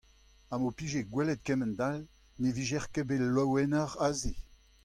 Ha m'ho pije gwelet kement all ne vijec'h ket bet laouenoc'h a se.